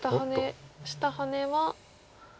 下ハネは。